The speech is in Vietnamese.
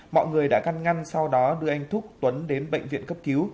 mọi người đã căn ngăn sau đó đưa anh thúc tuấn đến bệnh viện cấp cứu